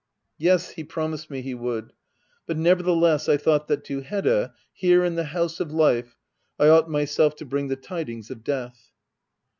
Yes, he promised me he would. But neverthe less I thought that to Hedda — here in the house of life — I ought myself to bring the tidings of death.